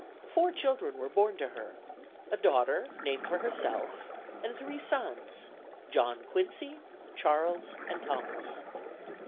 Four children were born to her, a daughter named for herself, and three sons, John Quincy, Charles and Thomas.